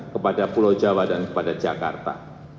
kepada pulau jawa dan kepada jakarta